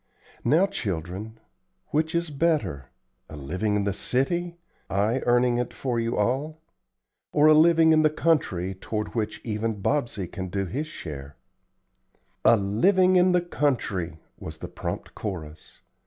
Now, children, which is better, a living in the city, I earning it for you all? or a living in the country toward which even Bobsey can do his share?" "A living in the country," was the prompt chorus.